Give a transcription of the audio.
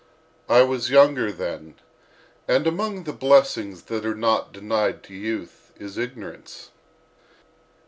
I was younger then, and among the blessings that are not denied to youth is ignorance.